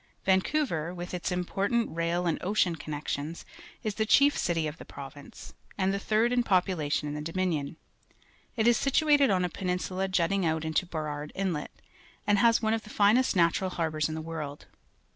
Vancouver, with its important rail and ocean connections, is the chief citj^ of the province, and the third in population in the Dominion. It is situated on a peninsula jutting out into Burrard Inlet, and has one of the finest natural harbours in the world.